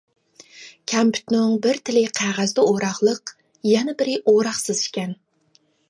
كەمپۈتنىڭ بىر تېلى قەغەزدە ئوراقلىق، يەنە بىرى ئوراقسىز ئىكەن.